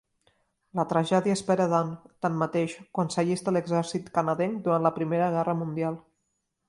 La tragèdia espera Dan, tanmateix, quan s'allista a l'exèrcit canadenc durant la Primera Guerra Mundial.